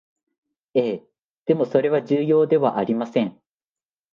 ええ、でもそれは重要ではありません